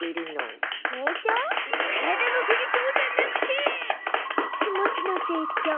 体の成長じゃなくて気持ちの成長！